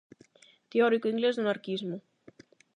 Teórico inglés do anarquismo.